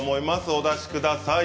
お出しください。